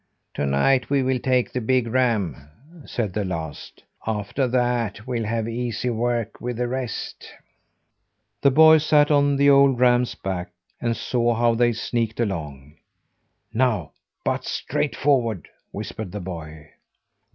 "To night we will take the big ram," said the last. "After that, we'll have easy work with the rest." The boy sat on the old ram's back and saw how they sneaked along. "Now butt straight forward!" whispered the boy.